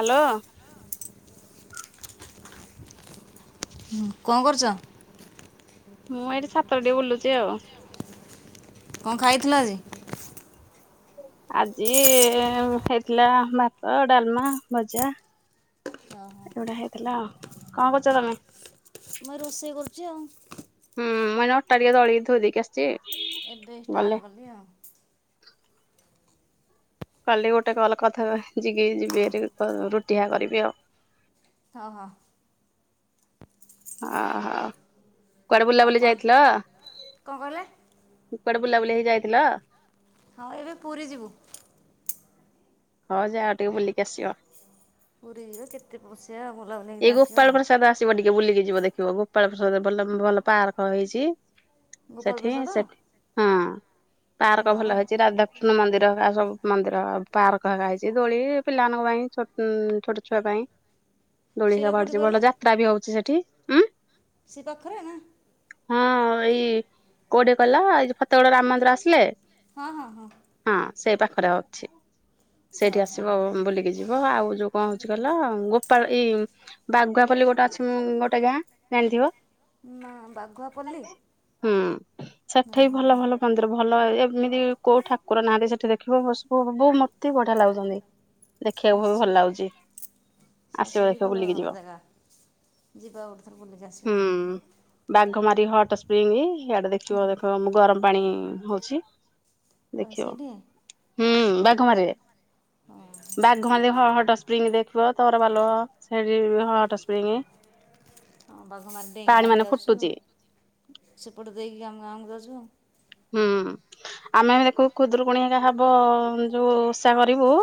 Hello. ହଁ ହୁଁ, କଣ କରୁଚ? ମୁଁ ଏଠି ଛାତରେ ଟିକେ ବୁଲୁଚି ଆଉ। କଣ ଖାଇଥିଲ ଆଜି? ଆଜି ହେଇଥିଲା ଭାତ, ଡାଲମା, ଭଜା। ଓହୋ ଏଉଡା ହେଇଥିଲା, କଣ କରୁଚ ତୋମେ? ମୁଁ ରୋଷେଇ କରୁଚି ଆଉ। ହୁଁ, ମାନେ ଅଟା ଟିକେ ଦଳିକି ଥୋଇ ଦେଇକି ଆସିଛି। ଏବେ ଗଲେ ଷ୍ଟାର୍ଟ କଲି ଆଉ। କାଲି ଗୋଟେ କଲ୍ କଥା ଟା ଯିବି ଯିବି ଭାରି କ-ରୁଟି ହା କରିବି ଆଉ। ହଁ, ହଁ। ଓହୋ, କୁଆଡେ ଆଉ ବୁଲାବୁଲି କଣ ଯାଇଥିଲ? କଣ କହିଲେ? ଉଁ, କୁଆଡେ ବୁଲାବୁଲି ହେଇ ଯାଇଥିଲ? ହଁ ଏବେ ପୁରୀ ଯିବୁ। ହଁ ଯାଅ ଟିକେ ବୁଲିକି ଆସିବ। ପୁରୀ ଯିବୁ କେତେ ବସିବା ବୁଲାବୁଲି କିରି ଆସିବା। ଯିବ ଟିକେ ବୁଲିକି ଯିବ ଦେଖିବ ଗୋପାଳ ପ୍ରସାଦ ଭଲ ଭଲ ପାର୍କ ହେଇଛି। ଗୋପାଳ ସେଠି ପ୍ରସାଦ ସେଠି ହଁ ପାର୍କ ହଁ ଭଲ ହେଇଛି ରାଧା କୃଷ୍ଣ ମନ୍ଦିର ଏକା ସବୁ ମନ୍ଦିର ପାର୍କ ହେକା ହେଇଛି, ଦୋଳି ପିଲାମାନଙ୍କ ପାଇଁ ଛୋଟ ଅଁ, ଛୁଆ ପାଇଁ। ଦୋଳି ସେଇଟା ହେକା କୋଉଠି ପଡିଚି କହିଲ ଭଲ, ଯାତ୍ରା ବି ହଉଛି ସେଠି, ଉଁ,। ସେ ପାଖରେ ନା ହଁ ଏଇ କୋଉଠି କଲ ଏଇ ଯୋଉ ଫ ତେଗଡ ରାମ ମନ୍ଦିର ଆସିଲେ ହଁ ହଁ ହଁ ହଁ ସେଇ ପାଖରେ ଅଛି। ହଁ ସେଇଠି ହଁ ଆସିବ ବୁଲିକି ଯିବ। ଆଉ ଯୋଉ କଣ ହଉଛି କହିଲ ଗୋପାଳ ଏଇ ଉଁ, ବାଗୁଆପଲ୍ଲୀ ଗୋଟେ ଅଛି ଉଁ, ଗୋଟେ ଗାଁ ଜାଣିଥିବ। ନା ବାଘୁଆପଲ୍ଲୀ? ହଁ, ସେଠି ବି ଓହୋ ଭଲ ଭଲ ମନ୍ଦିର ଭଲ ଏମିତି କୋଉ ଠାକୁର ନାହାଁନ୍ତି ସେଠି ଦେଖିବ ଭସ୍ ବ-ବ-ବଉ ମୋତେ ବଢିଆ ଲାଗୁଛନ୍ତି। ଦେଖିବାକୁ ବି ଭଲ ଲାଗୁଚି। ସ ସେଠି ଭଲ ଜାଗା ଯିବା ଗୋଟେ ଥର ବୁଲିକି ଆସିବା। ବାଘ ମାରି ହଟ୍ ସ୍ପ୍ରିଙ୍ଗ ହିଆଡେ ଦେଖିବ ଦେଖବ ଗରମ ପାଣି ହଉଛି। ଆଉ ଦେଖିବ। ସେଇଠି ହୁଁ ବାଘମାରିରେ। ବାଘମାରିରେ ହ ହଟ ସ୍ପ୍ରିଙ୍ଗ ଦେଖିବ ତ ଭଲ ସେଠି ହଟସ୍ପ୍ରିଙ୍ଗ। ହଁ ବାଘମାରି ଡେଇଁକି ତ ଆମେ ଯାଉଛୁ। ଫୁଟୁଛି ସେପଟ ଦେଇକି ଆମେ ଗାଁକୁ ଯାଉଛୁ। ହୁଁ ଆମେ ଦେଖୁ ଖୁଦରୁକୁଣୀ ହେକା ହବ ଯୋଉ ଉଷା କରିବୁ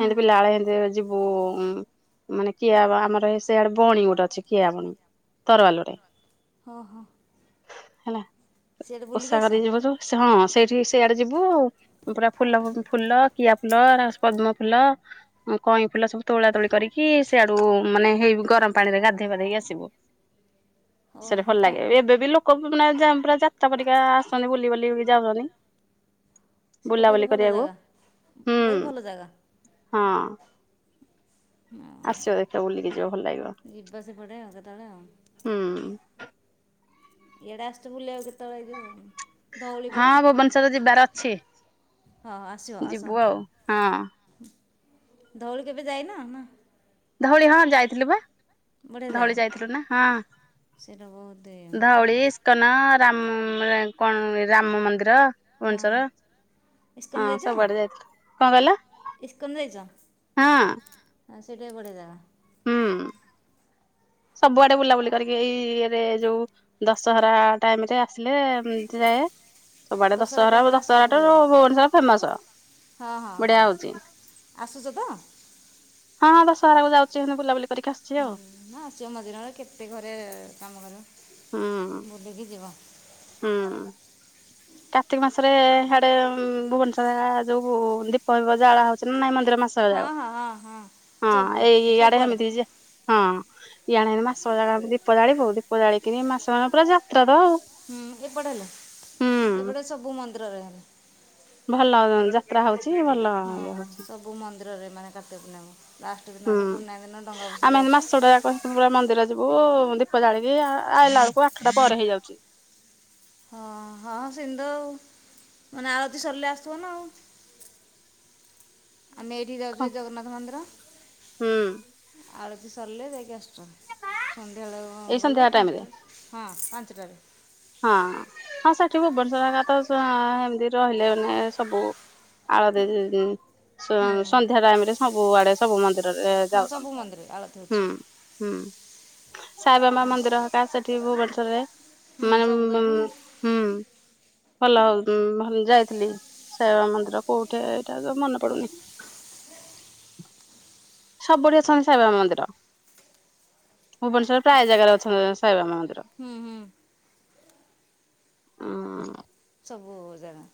ହେମତି ପିଲାବେଳେ ହେମିତି ଯିବୁ ହମ ମାନେ କିଆ ଆମର ଏ ସେଆଡେ ବଣୀ ଗୋଟେ ଅଛି କିଆ ବଣୀ ତରୱାଲ ରେ। ହଁ ହଁ। ହେଲା ସିଆଡ଼େ ବୁଲିକି ଓଷା ଆସ କରି ଯିବୁ ଜଉ ହଁ ସେଇଠି ସେଆଡେ ଯିବୁ ପୁରା ଫୁଲ ଫୁଲ କିଆ ଫୁଲ ଏରା ପଦ୍ମ ଫୁଲ କଇଁ ଫୁଲ ସବୁ ତୋଳା ତୋଳି କରିକି ସେଆଡୁ ମାନେ ହେଇ ଗରମ ପାଣିରେ ଗାଧୋଇପାଧେଇକି ଆସିବୁ। ସେଟା ଭଲ ଓହୋ ଲାଗେ ଏବେ ବି ଲୋକ ମାନେ ଯା ପୁରା ଯାତ୍ରା ପରିକା ଆସନ୍ତି ବୁଲି ବାଲି ବୁଲି ବୁଲି ଯାଉଛନ୍ତି। ସେଇଟା ବହୁତ ବୁଲାବୁଲି ଭଲ କରିବାକୁ ଜାଗା ହୁଁ ବହୁତ ଭଲ ଜାଗା। ହଁ ହଁ। ଆସିବ ଦେଖିବ ବୁଲିକି ଭଲ ଲାଗିବ। ଯିବା ସେ ପଟେ ଆଉ କେତେବେଳେ ଆଉ। ହୁଁ। ଇଆଡେ ଆସିଚୁ ବୁଲିବାକୁ କେତେବେଳେ ଏଇ ଜଉ ହଁ ଭୁବନେଶ୍ଵର ଯିବାର ଅଛି ହଁ ଆସିବ ଆସ ଯିବୁ ଆଉ ହଁ। ଧଉଳି କେବେ ଯାଇନ ନା? ଧଉଳି ହଁ ଯାଇଥିଲୁ ପା। ବଢ଼ିଆ ଧଉଳି ଜାଗା ଯାଇଥିଲୁ ନା ହଁ ସେଇଟା ବହୁତ ଧଉଳି ଇସ୍ କନ ରାମ କଣ ରାମ ମନ୍ଦିର ହଁ ଭୁବନେଶ୍ୱର। ଇସ୍କନ ହଁ ଯାଇଛ ସବୁଆଡେ ଯାଇଥିଲୁ। କଣ କିହିଲ? ଇସ୍କନ ଯାଇଛ ହଁ। ହଁ ସେଇଟା ବି ବଢିଆ ଜାଗା। ହୁଁ। ସବୁଆଡେ ବୁଲାବୁଲି କରିକି ଏଇ ଇଏରେ ଯୋଉ ଦଶହରା ଟାଇମରେ ଆସିଲେ ଯାଏ। ସବୁଆଡେ ଦଶହରା ଟାଇମ୍ରେ ଆସ ଦଶହରା ଟାର ବୁଲିବାକୁ ଭୁବନେଶ୍ୱର ଫେମସ। ହଁ ହଁ ବଢିଆ ହଁ ହଉଛି ଆସୁଛ ତ? ହଁ ହଁ ଦଶହରାକୁ ଯାଉଛି ହେନ୍ତି ବୁଲାବୁଲି କରିକି ଆସୁଛି ହୁଁ ଆଉ ମ ଆସିବ ମଝିର କେତେ ଘରେ କାମ କରିବ। ହୁଁ। ବୁଲିକି ଯିବ। ହୁଁ। କାର୍ତ୍ତିକ ମାସରେ ହିଆଡେ ଭୁବନେଶ୍ୱର ଯୋଉ ଦୀପ ଫିପ ଜାଳା ହଉଛି ନା ନାଇଁ ମ ନ୍ଦିର ମାସକ ହଁ ଯାକ। ହଁ ହଁ ହଁ ହଁ ସବୁ ଏଇ ଇଆଡେ ସବୁଆଡ଼େ ହେମିତି ଯେ ହଁ ଇଆଣେ ହେନ୍ତି ମାସ ଯାକ ଦୀପ ଜାଳିବୁ ଦୀପ ଜାଳି କିିନି ମାସ ଜାକ ପୁରା ଯାତ୍ରା ତ ଆଉ। ହୁଁ ଏପଟେ ହେଲେ ହୁଁ ଏପଟେ ସବୁ ମନ୍ଦିରରେ ହେଲେ। ଭଲ ଯାତ୍ରା ହଉଛି। ଭଲ ହଁ ଇଏ ହଉଛି ସବୁ ମନ୍ଦିରରେ ମାନେ କାର୍ତ୍ତିକ ପୂର୍ଣ୍ଣିମା ଲାଷ୍ଟ ଦିନ ଏଠୁ ପୂର୍ଣିମା ଦିନ ଡଙ୍ଗା ଭସେଇ ଯାଉଛୁ। କମ୍ ପୂରୁବ ମନ୍ଦିର ଯିବୁ ଦୀପ ଜାଳିକି ଆ ଆଇଲା ଳକୁ ଆଠଟା ପରେ ହେଇଯାଉଚି। ହଁ ହଁ ସିନ୍ତ ଆଉ ମାନେ ଆଳତି ସରିଲେ ଆସଥିବ ନା ଆଉ। ଆମେ ଏଠି ଯାଉଚୁ ଏ କଣ ଜଗନ୍ନାଥ ମନ୍ଦିର ହୁଁ ଆଳତି ସରିଲେ ଯାଇକି ଆସୁଚନ୍। ଏଇ ସନ୍ଧ୍ୟାବେଳ ସନ୍ଧ୍ୟା ଗଲେ ଟାଇମ ରେ ପାଞ୍ଚଟା ହଁ ପାଞ୍ଚଟାରେ। ହଁ ହଁ ସେଠି ଭୁବନେଶ୍ଵର ହେକାତ ଆ ହେମତି ରହିଲେ ମାନେ ସବୁ। ଆଳତି ଦେଇ ଦେଇ ସେ ହୁଁ ମାନେ ସନ୍ଧ୍ୟା ଟାଇମ ରେ ସବୁ ଆଡେ ସବୁ ମନ୍ଦିରରେ ହଁ ସବୁ ଯାଉଚନ୍ତି ମନ୍ଦିରରେ ଆଳତି ହେଉଛି ହୁଁ। ହୁଁ ସାଇବାବା ମନ୍ଦିର ହେକା ସେଠି ଭୁବନେଶ୍ଵର ରେ ହୁଁ ମାନେ ସବୁ ତ ମୁଁ ଏଠି ହୁଁ। ଭଲ ଆଉ ଭଲ ଯାଇଥିଲି ସାଇ ବାବା ମନ୍ଦିର କୋଉଠେ ହେଇଟା ତ ମନେ ପଡୁନି। ସବୁଠେ ଅଛନ୍ତି ସାଇ ବାବା ମନ୍ଦିର। ଭୁବନେଶ୍ୱର ପ୍ରାୟେ ଜାଗାରେ ଅଛନ୍ତି ସାଇ ବାବା ମନ୍ଦିର। ହୁଁ ହୁଁ ଉଁ। ସବୁ ଜାଗା।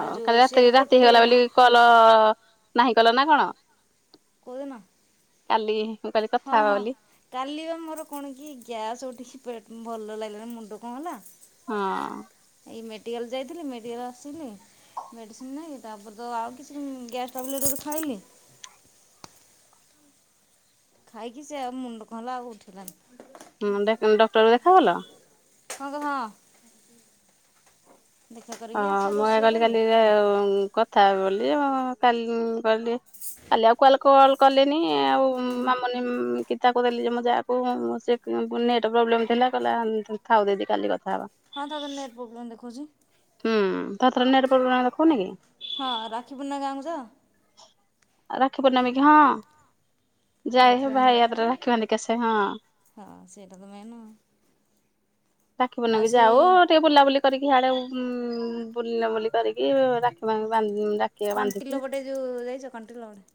ଆଉ ଯୋଉ କାଲି ରାତି ସିଆଡ଼େ ରାତି ଗୋଟେ ହେଇଗଲା ବୋଲି କଲ୍ ନାହିଁ କଲ ନା କଣ? କୋଉ ଦିନ? କାଲି। ମୁଁ କହିଲି କଥା ହଁ ହବା ହଁ। ବୋଲି କାଲି ପା ମୋର୍ କଣ କି ଗ୍ୟାସ୍ ଉଠିକି ପେଟ୍ ଭଲ ଲାଗିଲାନି ମୁଣ୍ଡ ଙ୍କ ହେଲା ହଁ। ଏଇ ମେଡ଼ିକାଲ୍ ଯାଇଥିଲି ମେଡ଼ିକାଲ୍ ରୁ ଆସିଲି। ମେଡିସିନ୍ ନାଇଁ ତାପରେ ତ ଆଉ କିଛି ଉଁ ଗ୍ୟାସ୍ ଟ୍ୟାବଲେଟ୍ ଗୋଟେ ଖାଇଲି। ଖାଇକି ସେ ଆଉ ମୁଣ୍ଡ କଣ ହେଲା ଆଉ ଉଠିଲାନି। ମୁଣ୍ଡ ଡେ ଡକ୍ଟର ଦେଖା କଲା? ହଁ କୁହ? ଦେଖା ଅ କରିକି ଆସେ ମୁଁ ଏ ରୋଷେଇ କଲି କଲିରେ ଆଉ ଉଁ କଥା ହେବି ବୋଲି ଉଁ କାଲି କ କାଲି ଆଉ କୁଆଡ଼େ କଲ୍ କଲିଇନି ଆଉ ମୁଁ ହୁଁ ମାମୁନି କି ତାକୁ ଦେଲି ଯେ ମୋ ଯା କୁ ସେ ଫୁଣି ନେଟ୍ ପ୍ରୋବ୍ଲେମ୍ ଥିଲା କହିଲା ଥାଉ ଦିଦି କାଲି କଥା ହବା। ହଁ ଥରେ ଥରେ ନେଟ୍ ପ୍ରୋବ୍ଲେମ୍ ଦେଖୋଉଚି। ହୁଁ ଥରେ ଥରେ ନେଟ୍ ପ୍ରୋବ୍ଲେମ୍ ଦେଖୋଉନି କି? ହଁ ରାକ୍ଷୀ ପୂର୍ଣ୍ଣିମାରେ ଗାଁ କୁ ଯାଅ? ଆଉ ରାକ୍ଷୀ ପୂର୍ଣ୍ଣିମୀ କି ହଁ। ରାକ୍ଷୀ ଯାଇକି ଭାଇ ବାନ୍ଧିବାକୁ ହାତରେ ରାକ୍ଷୀ ବାନ୍ଧିକି ଆସେ ହଁ। ହଁ ସେଇଟା ତ ମେନ୍ ଆଉ ରାକ୍ଷୀ ଆଉ ପୂର୍ଣ୍ଣିମୀ କୁ ସେଇ ଯାଉ ଟିକେ ବୁଲାବୁଲି କରିକି ହାଆଡ଼େ ଉଁ ବୁଲାବୁଲି କରିକି ରାକ୍ଷୀ ବା ବାନ୍ଧ କଣ୍ଟିଲୋ ପେଟ ଯୋଉ ଯାଇଚ କଣ୍ଟିଲୋ ପଟେ?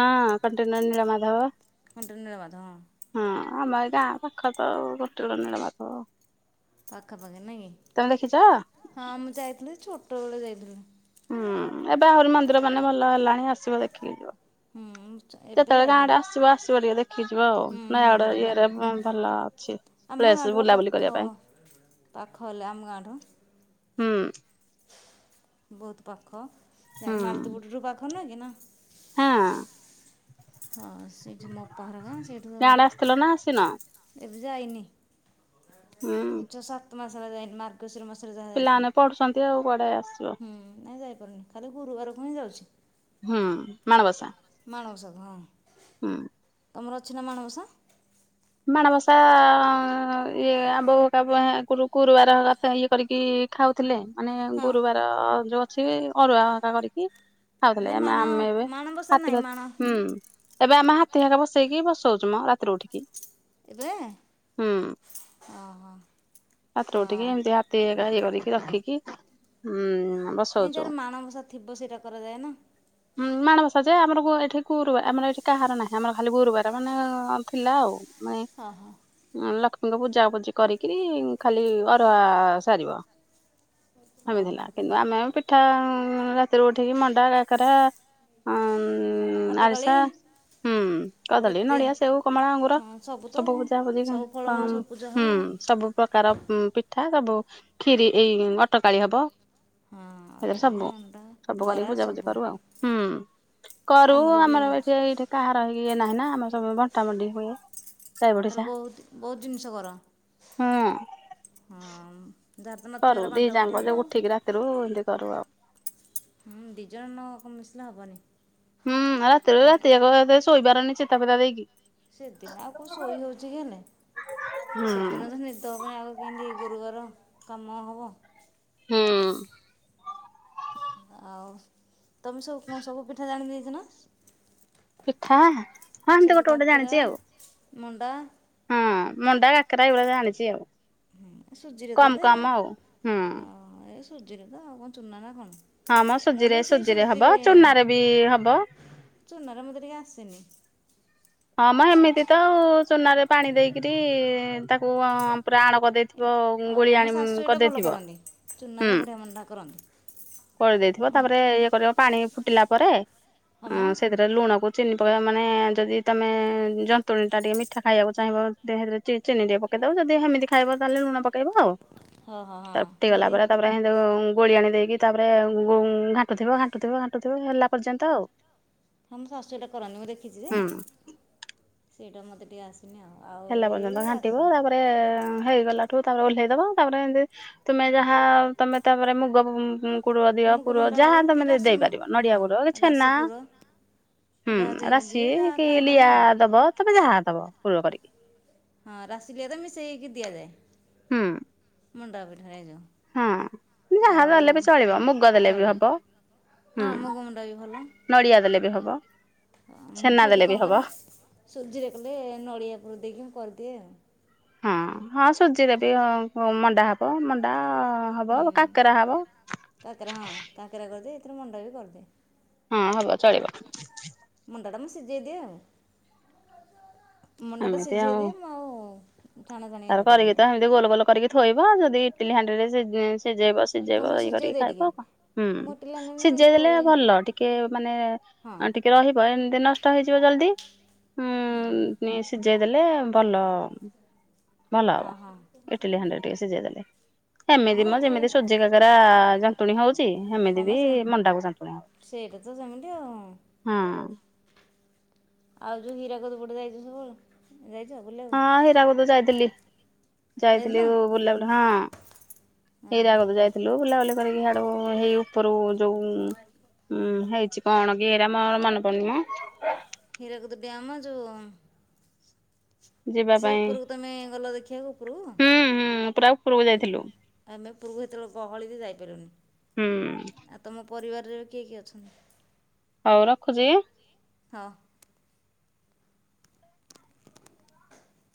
ହଁ କଣ୍ଟିଲୋ ନୀଳମାଧବ। କଣ୍ଟିଲୋ ନିଳମାଧବ ହଁ। ହଁ ଆମଏଇ ଗାଁ ପାଖ ତ ଆଉ କଣ୍ଟିଲୋ ନୀଳମାଧବ। ପାଖା ପାାଖି ନାଇଁ ତମେ ଦେଖିଛ? କି ହଁ ମୁଁ ଯାଇଥିଲି ଯେ ଛୋଟ ବେଳେ ଯାଇଥିଲି। ହୁଁ ଏବେ ଆହୁରି ମନ୍ଦିର ମାନେ ଭଲ ହେଲାଣି ଆସିବ ଦେଖିକି ଯିବ। ହୁଁ ଏବେ ଯେତେବେଳେ ଯାଇନି ଗାଁ ଆଡ଼େ ଆସିବ ଆସିବ ଟିକେ ଦେଖିକି ଯିବ ଆଉ ହୁଁ ହୁଁ ନୟାଗଡ ଯିବା ଇଏରେ ଭଲ ଅଛି। ଆମ ପ୍ଲେସ ଗାଁଠୁ ପା ବୁଲାବୁଲି କରିବା ପାଖ ପାଇଁ ପାଖ ହେଲେ ଆମ ଗାଁଠୁ। ହୁଁ। ବହୁତ୍ ପାଖ ହୁଁ [unintelligible] ହଁ। ହଁ ସେଇଠି ମୋ ଅପା ହର ଗାଁ, ଗାଁ ଆଡେ ଆସିଥିଲ ନା ଆସିନ? ସେଇଠୁ ଏବେ ଯାଇନି। ହୁଁ ଏ ଯୋଉ ସାତ ମାସ ହେଲା ଯାଇନି [unintelligible] ମାର୍ଗଶିର ମାସରେ ଯାହା ପିଲାମାନେ ଯାଇଥିଲି, ପଢୁଛନ୍ତି ଆଉ କୁଆଡେ ଆସିବ ହୁଁ ନାଇଁ ଯାଇ ପାରୁନି ଖାଲି ଗୁରୁବାରକୁ ହିଁ ଯାଉଛି। ହୁଁ ମାଣବସା। ମାଣବସା କୁ ହଁ। ହୁଁ। ତମର ଅଛି ନା ମାଣବସା? ମାଣବସା ଇଏ [unintelligible] ଗୁରୁବାର ତ ଇଏ କରିକି ଖାଉଥିଲେ, ମାନେ ହଁ। ଗୁରୁବାର ଯୋଉ ଅଛି ଅରୁଆ ଭାତ କରିକି ଖାଉଥିଲେ, ନାଇଁ ମାଣ ଆମେ ଏବେ ମାଣବସା ନାଇଁ [unintelligible] ମାଣ ହୁଁ। ଏବେ ଆମେ [unintelligible] ବସେଇକି ବସୋଉଚୁ ମ ରାତିରୁ ଉଠିକି। ଏବେ? ହୁଁ। ଓହୋ। ରାତିରୁ ଉଠିକି ହଁ ଏମ୍ତି ହାତି ହେକା ଇଏ କରିକି ରଖିକି ହୁଁ ବ ନାଇଁ ଯାର ମାଣବସା ଥିବ ସେଇଟା କରାଯାଏ ନା। ହୁଁ ମାଣବସା ଯାଏ ଆମର ଗୁ ଏଠି ଗୁରୁ ଆମର ଏଠି କାହାର ନାହିଁ ଆମର ଖାଲି ଗୁରୁବାର ମାନେ ଥିଲା ଆଉ। [unintelligible] ଉଁ ଲକ୍ଷ୍ମୀଙ୍କ ପୂଜାପୂଜି କରିକି ଖାଲି ଅରୁଆ ସାରିବ। ଓହୋ ହେମିଥିଲା କିନ୍ତୁ ଆମେ ପିଠା ରାତିରୁ ଉଠିକି ମଣ୍ଡା କା କେରା ଉଁ ଅଟକାଳି। ଆରିସା ହୁଁ କଦଳୀ, କେତେ ନଡିଆ, ସେଉ, କମଳା, ଅଙ୍ଗୁର ହଁ ତ ସବୁ ଆଉ ପୂଜା-ପୁଜି ସବୁ ଫଳମୂଳ କଣ ସବୁ ପୂଜା ହବ ହୁଁ ଆଉ। ସବୁ ପ୍ରକାର ପିଠା ସବୁ ଖିରି ଏଇ ଅଟକାଳି ହବ। ହଁ ସେଥିରେ ଅତକାଳି ସବୁ ମଣ୍ଡା ସବୁ କରିକି ବରା ପୂଜାପୂଜି ସବୁ କରୁ ଆଉ, ହୁଁ କରୁ ବି ଆମର ଅଛି। ଏଇଠି ଏଇଠେ କାହାର ହେଇ ଇଏ ନାହିଁ ନା ଆମର ସବୁ ବଣ୍ଟାବଣ୍ଟି ହୁଏ। ସାଇ ତାହେଲେ ପଡିଶା ବହୁତ୍-ବହୁତ୍ ଜିନିଷ କର, ହୁଁ ହଁ। ଯାହାର ତ ନଥିବ ହେରା ବାଣ୍ଟା-ବାଣ୍ଟି ହବ ଆଉ। ଥିରୁ ଇନ୍ତି କରୁ ଆଉ। ହୁଁ ଦି ଜଣ ନ [unintelligible] ମିଶିଲେ ହବନି। ହୁଁ ରାତିରେ ରାତି ଯାକ [unintelligible] ଶୋଇପାରେନି ଚିତା ଫିତା ଦେଇକି। ସେଦିନ ଆଉ କୋଉ ଶୋଇ ହଉଚି କି ହେଲେ, ହୁଁ ସେଦିନ ତ ନିଦ ହବନି ଆଗ କିନ୍ତି ଗୁରୁବାର କାମ ହବ। ହୁଁ। ଆଉ ତମେ ସବୁ କଣ ସବୁ ପିଠା ଜାଣି ଦେଇଚ ନା? ପିଠା ହଁ ଏମ୍ତି ସବୁ ଗୋଟେ-ଗୋଟେ କାକେରା ଜାଣିଚି ଆଉ। ମଣ୍ଡା ହଁ ମଣ୍ଡା କାକେରା ଏଗୁରା ଜାଣିଚି ଆଉ, ସୁଜିରେ ତ ଏବେ କମ୍-କମ୍ ଆଉ ହୁଁ। ହଁ ଏ ସୁଜିରେ ତ ଆଉ କଣ ଚୁନା ନା କଣ? ହଁ ମ ମୁଁ ବି ସେଇ ସୁଜିରେ-ସୁଜିରେ ହବ, ସୁଜିରେ ଚୁନାରେ ବି ହବ। ଚୁନାରେ ମତେ ଟିକେ ଆସେନି। ହଁ ମ ଏମିତି ସୁଜି ତ ଆଉ ଚୁନାରେ ପାଣି ଦେଇକରି ତାକୁ ପୁରା ଆଣ କରିଦେଇଥିବ ଏଇଟା ଓହୋ ମୋ ଗୁଳିଆଣି ଶାଶୁ ଏଇଟା ଭଲ କରିଦେଇଥିବ କରନ୍ତି ହୁଁ। ଚୁନାରେ ବଢ଼ିଆ ମଣ୍ଡା କରନ୍ତି କରିଦେଇଥିବ ତାପରେ ଇଏ କରିବ ପାଣି ଫୁଟିଲା ପରେ ହଁ ମ ସେଥିରେ ଲୁଣକୁ ଚିନି ପକେଇବା ମାନେ ଯଦି ତୁମେ ଯନ୍ତୁଣୀଟା ଟିକେ ମିଠା ଖାଇବାକୁ ଚାହିଁବ ଦି ହେଦିରେ ଚି ଚିନି ଟିକେ ପକେଇଦବ ଯଦି ହେମିଦି ଖାଇବ ତାହେଲେ ଲୁଣ ପକ କେଇବ ଆଉ ହଁ ହଁ ହଁ ତାତି ଗଲା ଯଦି ପରେ ତାପରେ ହେନ୍ ଡୁ ଗୋଳି ଆଣି ଦେଇକି ତାପରେ ଗୋ ଘାଣ୍ଟୁଥିବ ଘାଣ୍ଟୁଥିବ ଘାଣ୍ଟୁଥିବ ହେଲା ପର୍ଯ୍ୟନ୍ତ ଆଉ। [inaudible] ହଁ ମୋ ଶାଶୁ ହେଟା କରନ୍ତି ମୁଁ ଦେଖିଛି ଯେ ହୁଁ ସେଇଟା ମୋତେ ଟିକେ ଆସେ ନି ଆଉ ଆଉ ଏଇ ଗୁଡା ଆସିଚି। ଏ ହେଇଗଲାଠୁ ତାପରେ ଓହ୍ଲେଇଦବ ତାପରେ ଇଁଦି ତୁମେ ଯାହା ତମେ ତାପରେ ମୁଗ ଉ କୁଡୁଅ ଦିଅ ପୁର ମୁଗମଣ୍ଡା ଯାହା ହଉ କି ତମେ ରାଶି ଦେଇପାରିବ ନଡିଆ ପୁର କି ହଁ ରାଶି ଛେନା। ପୁର ହୁଁ ଯାହା ଦେଇ ରାଶି ଯିଏ ଯାହା କି ଖାଇପାରିବ ଲିଆ ଆଉ ଦବ ତମ ଯାହା ଦବ ପୂର କରିକି। ହଁ ରାଶିି ଲିଆରେ ମିଶେଇକି ଦିଆଯାଏ। ହୁଁ। ମୁଣ୍ଡା ପିଠା ହେଇଯାଉ। ହଁ ଯାହା ଦେଲେ ବି ଚଳିବ ମୁଗ ଦେଲେ ବି ଚଳିବ ହବ। ହୁଁ ହଁ ମୁଗମଣ୍ଡା ବି ଭଲ ନଡିଆ ଦେଲେ ବି ହବ। ମୁଁ ଛେନା ହେଇଠି ଦେଲେ ବି କଣ ହବ କରେ ସୁଜିରେ କଲେ ନଡ଼ିଆ ପୁର ଦେଇକି ମୁଁ କରିଦିଏ ଆଉ। ହଁ ହଁ ସୁଜି ଦେବି ମଣ୍ଡା ହେବ ମଣ୍ଡା ହବ ହୁଁ କାକେରା ହବ କାକରା ହଁ କାକରା କରିଦି ଏଥିରେ ମଣ୍ଡ ବି କରିଦେ। ହଁ ହବ ଚଳିବ। ମୁଣ୍ଡା ଟା ମୁଁ ସିଝେଇଦିଏ ଆଉ। ମୁଣ୍ଡାଟା ଏମିତି ଆଉ ସିଝେଇଦିଏ ତାର କରିକି ତ ହେମିତି ଗୋଲ ଗୋଲ କରିକି ଥୋଇବ ଯଦି ଇଟିଲି ହାଣ୍ଡିରେ ସିଜେଇବ ହଁ ସିଜେଇବ ମୁଁ ଇ ସିଝେଇ କରିକି ଦିଏ ଟିକେ ଖାଇବ ଆଉ କ ହୁଁ। ମୋଟିଲାନି ଏ ସିଝେଇ ଦେଲେ ଯେଉଁ ଭଲ ଟିକେ ମାନେ ହଁ ଟିକେ ରହିବ ଏମିତି ନଷ୍ଟ ହେଇଯିବ ଜଲଦି ଉଁ ସି ସିଝେଇ ଦେଲେ ଭଲ ଭଲ ହଁ ହବ ହଁ ଇଟିଲି ହାଣ୍ଡିରେ ଟିକେ ସିଝେଇ ଦେଲେ। ମୁଁ ହେମିତି ମ ଏଥିରେ ଯେମିତି ସୁଜି କାକରା ଯନ୍ତୁଣୀ ହଉଚି ହଁ ହେମିତି ମ ବି ସେ ମଣ୍ଡା କୁ ଯନ୍ତୁଣୀ ହବ। ସେଇଟା ତ ସେମିତି ଆଉ। ହଁ। ଆଉ ଯୋଉ ହୀରା କଦ ପଟେ ଯାଇଚୁ ସବୁ ଯାଇଚ ବୁଲ ହଁ ହୀରାକୁଦ ଯାଇଥିଲି ଯାଇଥିଲ ଯାଇଥିଲି ବୁଲା ବୁ ହଁ। ଓହୋ ହୀରାକୁଦ ଯାଇଥିଲୁ ବୁଲାବୁଲି କରିକି ଆଡୁ ହେଇ ଉପରୁ ଯୋଉ ହୁଁ ହେଇଚି କଣ କି ଏଇରା ମର ମନେ ପଡୁନି ମ ହୀରାକୁଦ ଡ୍ୟାମ ଯୋଉ ଯିବା ସେ ପାଇଁ ଉପରକୁ ତମେ ଗଲ ଦେଖିବାକୁ ଉପରକୁ? ହୁଁ ହୁଁ ପୁରା ଉପରକୁ ଯାଇଥିଲୁ ଆ ମେ ଉପୁରୁକୁ ହେତେବେଳେ ଗହଳି ଯେ ଯାଇପାରିଲୁନି। ହୁଁ ଆଉ ତମ ପରିବାରରେ କିଏ କିଏ ଅଛନ୍ତି? ହଉ ରଖୁଚି। ହଁ।